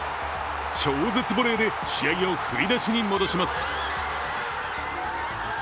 超絶ボレーで試合を振り出しに戻します。